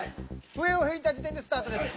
笛を吹いた時点でスタートです。